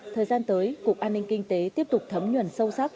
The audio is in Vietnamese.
thời gian tới cục an ninh kinh tế tiếp tục thấm nhuần sâu sắc